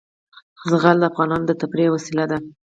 زغال د افغانانو د تفریح یوه وسیله ده.